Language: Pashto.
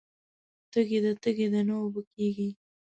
تږې ده تږې نه اوبه کیږي